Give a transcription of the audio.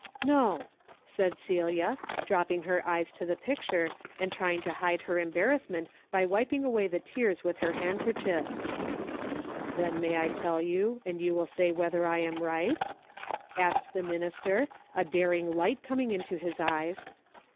" JN'o," said Celia, dropping her eyes to the picture, and trying to hide her embarrassment by wiping away the tears with her handker chief. "Then may I tell you and you will say whether I am right ?" asked the minister, a daring light coming into his eyes.